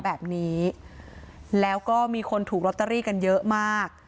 แบบนี้แล้วก็มีคนถูกลอตเตอรี่กันเยอะมาก